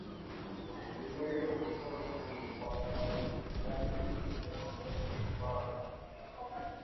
tinyere ụfọdụ ụgbọala ụlọọrụ ya dị n'akụkụ ebe ahụ